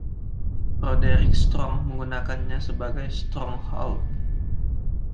Roderick Strong menggunakanya sebagai “Strong Hold”.